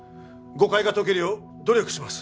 誤解が解けるよう努力します。